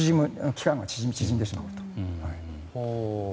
期間が縮んでしまうと。